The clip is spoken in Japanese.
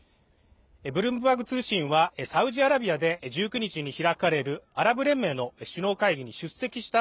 ブルームバーグ通信はサウジアラビアで１９日に開かれるアラブ連盟の首脳会議に出席した